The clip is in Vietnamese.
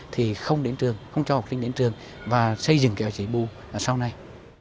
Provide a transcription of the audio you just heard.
thì không cho học sinh đến trường và xây dựng kẻo chế bù sau này